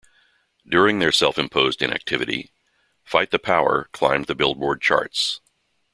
During their self-imposed inactivity, "Fight the Power" climbed the "Billboard" charts.